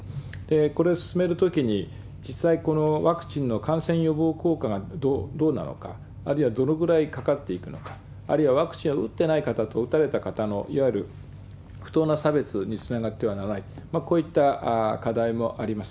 これ進めるときに、実際このワクチンの感染予防効果がどうなのか、あるいはどのぐらいかかっていくのか、あるいはワクチンを打ってない方と打たれた方の、いわゆる不当な差別につながってはならない、こういった課題もあります。